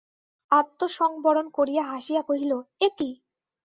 আত্মসংবরণ করিয়া হাসিয়া কহিল, এ কী!